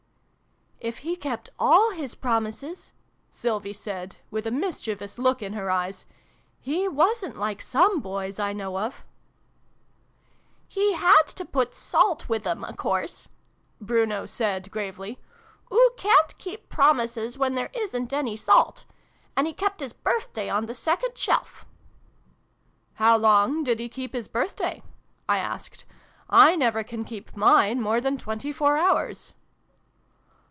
" If he kept all his promises," Sylvie said, with a mischievous look in her eyes, " he wasn't like some Boys I know of! " xiv] BRUNO'S PICNIC. 219 " He had to put salt with them, a course," Bruno said gravely :" oo ca'n't keep promises when there isn't any salt. And he kept his birthday on the second shelf." " How long did he keep his birthday ?" I asked. <: I never can keep mine more than twenty four hours."